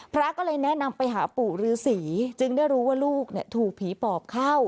พระก็เลยแนะนำไปหาปู่ฤษีจึงได้รู้ว่าลูกถูกผีปอบเข้า